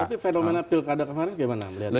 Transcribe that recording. tapi fenomena pilkada kemarin gimana melihatnya